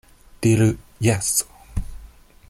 Diru "jes!"